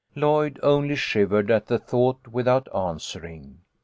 Lloyd only shivered at the thought, without answering.